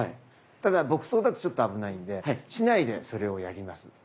ただ木刀だとちょっと危ないんで竹刀でそれをやります。